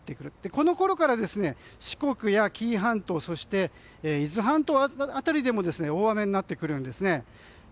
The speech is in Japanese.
このころから四国や紀伊半島伊豆半島辺りでも大雨になってくるんですね。